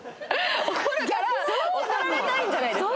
怒るから怒られたいんじゃないですか？